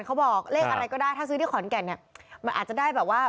เขาบอกเลขอะไรก็ได้ถ้าซื้อที่ขอนแก่นเนี่ยมันอาจจะได้แบบว่า